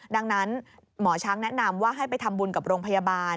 ดังนั้นหมอช้างแนะนำว่าให้ไปทำบุญกับโรงพยาบาล